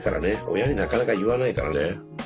親になかなか言わないからね。